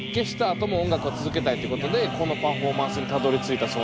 あとも音楽を続けたいってことでこのパフォーマンスにたどりついたそうなんです。